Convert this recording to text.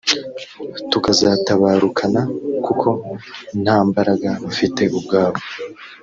tukazatabarukana kuko ntambaraga bafite ubwabo